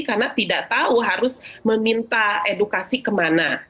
karena tidak tahu harus meminta edukasi kemana